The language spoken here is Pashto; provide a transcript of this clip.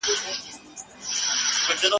چي قبر ته راځې زما به پر شناخته وي لیکلي !.